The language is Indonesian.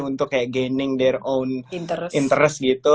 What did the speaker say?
untuk kayak gaining their own interest gitu